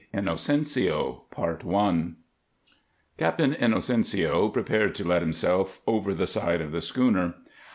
INOCENCIO I Captain Inocencio prepared to let himself self over the side of the schooner.